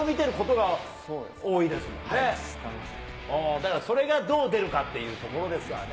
だからそれがどう出るかっていうところですわね。